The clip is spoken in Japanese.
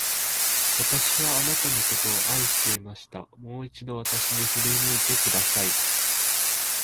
私はあなたのことを愛していました。もう一度、私に振り向いてください。